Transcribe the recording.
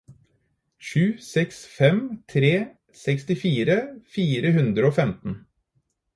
sju seks fem tre sekstifire fire hundre og femten